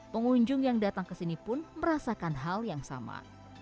pengunjung yang datang ke sini pun merasakan hal yang sama